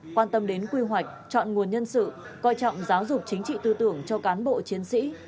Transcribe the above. quan tâm đến quy hoạch chọn nguồn nhân sự coi trọng giáo dục chính trị tư tưởng cho cán bộ chiến sĩ